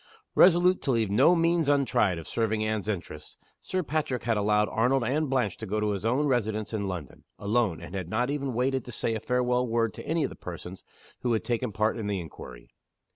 Resolute to leave no means untried of serving Anne's interests, Sir Patrick had allowed Arnold and Blanche to go to his own residence in London, alone, and had not even waited to say a farewell word to any of the persons who had taken part in the inquiry.